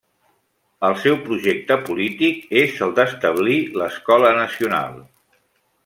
El seu projecte polític és el d'establir l'Escola Nacional.